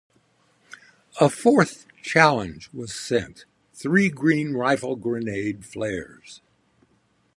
A fourth challenge was sent: three green rifle-grenade flares.